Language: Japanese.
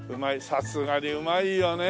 さすがにうまいよね。